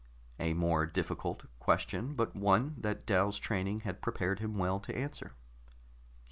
A more difficult question, but one that Dal's training had prepared him well to answer.